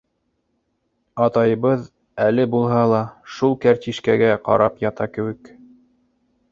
Атайыбыҙ әле булһа ла шул кәртишкәгә ҡарап ята кеүек.